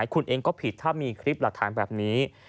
คุณเองก็ผิดถ้ามีคลิปหลักฐานแบบนี้